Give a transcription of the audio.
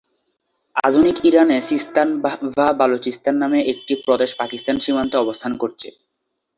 আধুনিক ইরানে সিস্তান ভা বালুচিস্তান নামে একটি প্রদেশ পাকিস্তান সীমান্তে অবস্থান করছে।